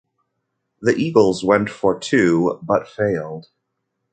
The Eagles went for two but failed.